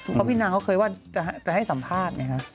เพราะพี่นางเขาเคยว่าจะให้สัมภาษณ์ไงครับ